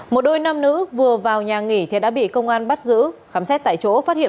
một đôi nam nữ vừa vào nhà nghỉ thì đã bị công an bắt giữ khám xét tại chỗ phát hiện